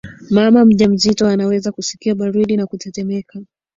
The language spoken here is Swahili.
mama mjawazito anaweza kusikia baridi na kutetemeka